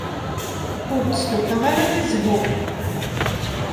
Ur d-stufaɣ ara i zzhu.